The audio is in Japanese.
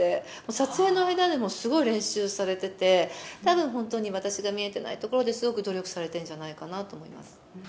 撮影の間でも、すごい練習されてて、たぶん本当に私が見えてないところですごく努力されてるんじゃないかなと思います。